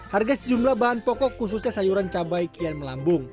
harga sejumlah bahan pokok khususnya sayuran cabai kian melambung